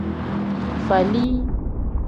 Falii.